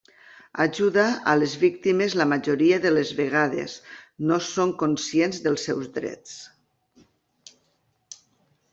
Ajuda a les víctimes la majoria de les vegades no són conscient dels seus drets.